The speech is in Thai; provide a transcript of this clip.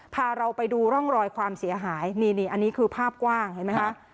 พาเราไปดูร่องรอยความเสียหายนี่นี่อันนี้คือภาพกว้างเห็นไหมคะ